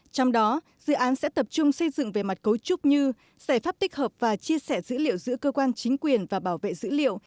trong đó dự án sẽ tập trung xây dựng về mặt cấu trúc như giải pháp tích hợp và chia sẻ dữ liệu giữa cơ quan chính quyền và bảo vệ dữ liệu